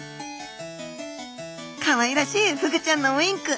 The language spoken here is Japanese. かわいらしいフグちゃんのウインク。